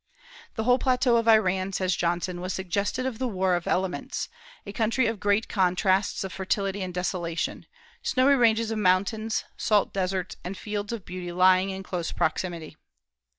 "The whole plateau of Iran," says Johnson, "was suggestive of the war of elements, a country of great contrasts of fertility and desolation, snowy ranges of mountains, salt deserts, and fields of beauty lying in close proximity."